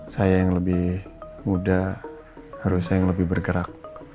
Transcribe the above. saya yang lebih muda harus saya yang lebih bergerak